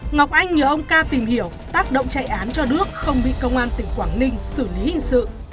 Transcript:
ngọc anh nhờ ông ca tìm hiểu tác động chạy án cho đước không bị công an tỉnh quảng ninh xử lý hình sự